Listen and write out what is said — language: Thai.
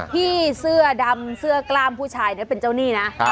พี่เสื้อดำเสื้อกล้ามผู้ชายเป็นเจ้าหนี้นะ